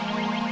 aduh gimana ya